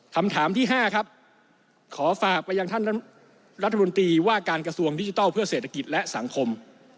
คำถามที่๕ครับขอฝากไปยังท่านรัฐมนตรีว่าการกระทรวงดิจิทัลเพื่อเศรษฐกิจและสังคม